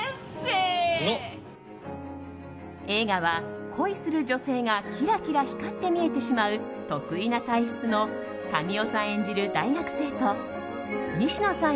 映画は、恋する女性がキラキラ光って見えてしまう特異な体質の神尾さん演じる大学生と西野さん